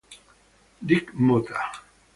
Dick Motta